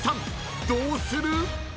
［どうする？］